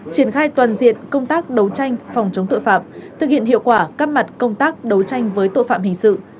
triển khai toàn diện công tác đấu tranh phòng chống tội phạm thực hiện hiệu quả các mặt công tác đấu tranh với tội phạm hình sự